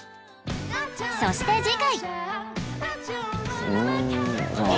そして次回